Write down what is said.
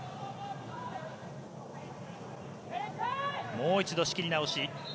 もう一度、仕切り直し。